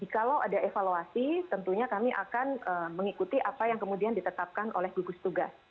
kalau ada evaluasi tentunya kami akan mengikuti apa yang kemudian ditetapkan oleh gugus tugas